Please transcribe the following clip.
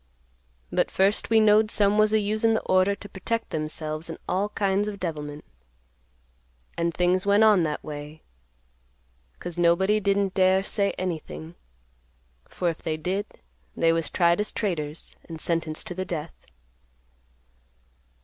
But first we knowed some was a usin' the order to protect themselves in all kinds of devilment, and things went on that way, 'cause nobody didn't dare say anything; for if they did they was tried as traitors, and sentenced to the death.